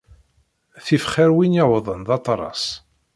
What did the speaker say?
Tif xir win yewwḍen d aterras.